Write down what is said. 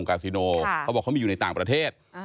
กาซิโนเขาบอกเขามีอยู่ในต่างประเทศ